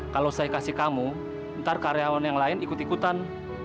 kalau saya kasih kamu ntar karyawan yang lain ikut ikutan